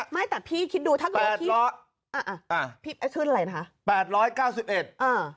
ไม่แต่พี่คิดดูถ้าเกิดว่าพี่อ่าพี่บ่อยขึ้นอะไรนะฮะ